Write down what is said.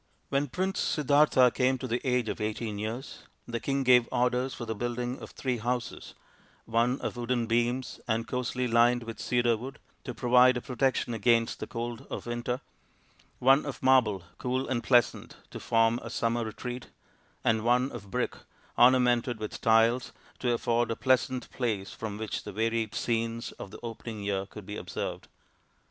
II When Prince Siddartha came to the age of eighteen years the king gave orders for the building of three THE PRINCE WONDERFUL 165 houses one of wooden beams and cosily lined with cedar wood, to provide a protection against the cold of winter ; one of marble, cool and pleasant, to form a summer retreat ; and one of brick, ornamented with tiles, to afford a pleasant place from which the varied scenes of the opening year could be observed.